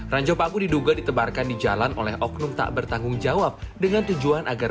ranjau paku diduga ditebarkan di jalan oleh oknum tak bertanggung jawab dengan tujuan agar